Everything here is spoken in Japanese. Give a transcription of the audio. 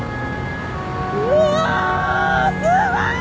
うわすごい！